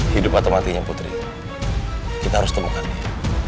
hidup atau matinya putri kita harus temukan dia